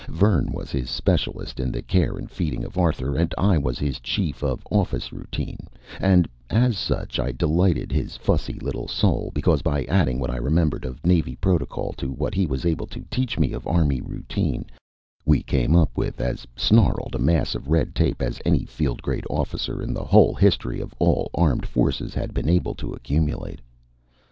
Vern was his specialist in the care and feeding of Arthur and I was his chief of office routine and, as such, I delighted his fussy little soul, because by adding what I remembered of Navy protocol to what he was able to teach me of Army routine, we came up with as snarled a mass of red tape as any field grade officer in the whole history of all armed forces had been able to accumulate.